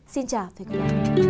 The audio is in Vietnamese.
xin chào và hẹn gặp lại